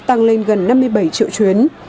tăng lên gần năm mươi bảy triệu chuyến